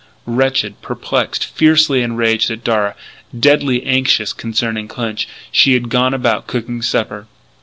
Wretched, perplexed, fiercely enraged at Darragh, deadly anxious concerning Clinch, she had gone about cooking supper.